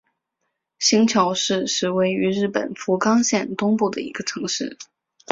行桥市是位于日本福冈县东部的一个城市。